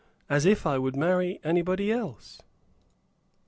As if I would marry anybody else!"